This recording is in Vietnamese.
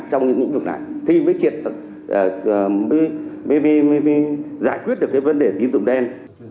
thì mới giải quyết được cái vấn đề tín dụng đen